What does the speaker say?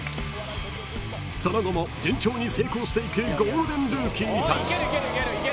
［その後も順調に成功していくゴールデンルーキーたち］